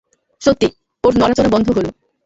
সত্যিই, ওর নড়াচড়া বন্ধ হল।